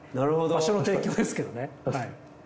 場所の提供ですけどね。